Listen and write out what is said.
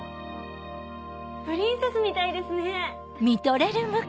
プリンセスみたいですね！